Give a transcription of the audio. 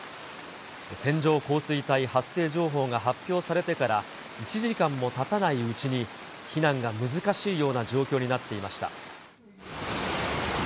線状降水帯発生情報が発表されてから１時間もたたないうちに、避難が難しいような状況になっていました。